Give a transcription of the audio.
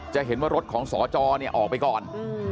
จะเห็นว่ารถของสจออกไปก่อน